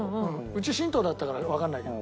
うち神道だったからわかんないけど。